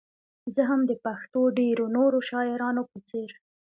زه هم د پښتو ډېرو نورو شاعرانو په څېر.